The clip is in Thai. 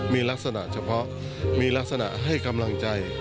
มีลักษณะเฉพาะมีลักษณะให้กำลังใจ